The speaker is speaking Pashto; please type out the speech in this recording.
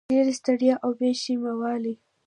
ډېره ستړیا او بې شیمه والی